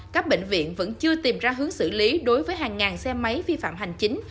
các bệnh viện vẫn chưa tìm ra hướng xử lý đối với hàng ngàn xe máy vi phạm hành chính